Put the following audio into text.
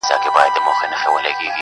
وژني بېګناه انسان ګوره چي لا څه کیږي-